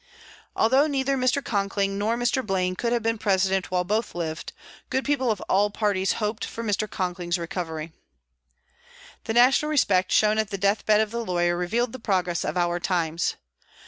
Although neither Mr. Conkling nor Mr. Blaine could have been President while both lived, good people of all parties hoped for Mr. Conkling's recovery. The national respect shown at the death bed of the lawyer revealed the progress of our times.